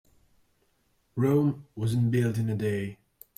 Rome wasn't built in a day.